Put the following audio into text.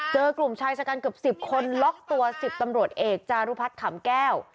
เจอกลุ่มชายชะกันเกือบ๑๐คนล็อกตัว๑๐ตำรวจเอกจารุพัฒน์ขำแก้ว